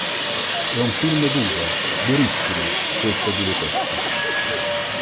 È un film duro, durissimo, questo di Luchetti.